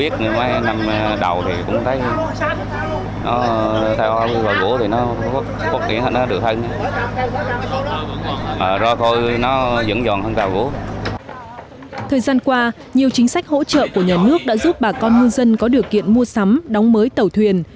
thời gian qua nhiều chính sách hỗ trợ của nhà nước đã giúp bà con ngư dân có điều kiện mua sắm đóng mới tàu thuyền